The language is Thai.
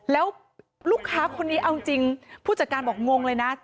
แล้วลูกค้าคนนี้เอาจริงผู้จัดการบอกงงเลยนะ